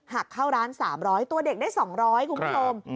หักเข้าร้านสามร้อยตัวเด็กได้สองร้อยคุณผู้ชมอืม